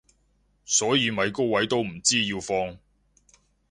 所以咪高位都唔知要放